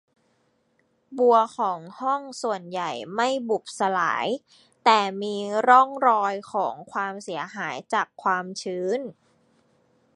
บัวของห้องส่วนใหญ่ไม่บุบสลาย แต่มีร่องรอยของความเสียหายจากความชื้น